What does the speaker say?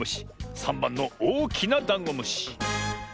３ばんのおおきなダンゴムシ。